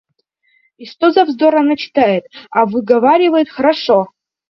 И что за вздор она читает, а выговаривает хорошо.